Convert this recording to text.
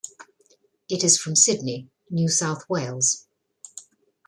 It is from Sydney, New South Wales.